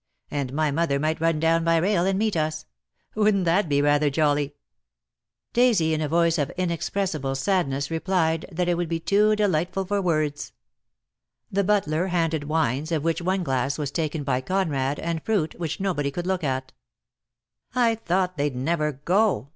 And my mother might run down by rail and meet us. Wouldn't that be rather jolly?" Daisy in a voice of inexpressible sadness replied that it would be too delightful for words. Dead Love lias Chains. 1 1 l62 DEAD LOVE HAS CHAINS. The butler handed wines, of Vvhich one glass was taken by Conrad, and fruit, which nobody would look at. "I thought they'd never go!"